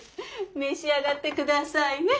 召し上がって下さいね。